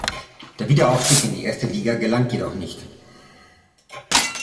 Der Wiederaufstieg in die erste Liga gelang jedoch nicht.